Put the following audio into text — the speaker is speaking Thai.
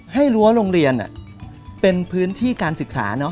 รั้วโรงเรียนเป็นพื้นที่การศึกษา